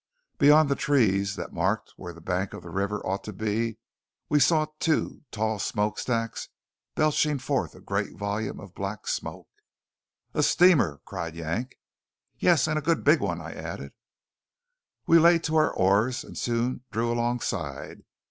Beyond the trees that marked where the bank of the river ought to be we saw two tall smokestacks belching forth a great volume of black smoke. "A steamer!" cried Yank. "Yes, and a good big one!" I added. We lay to our oars and soon drew alongside.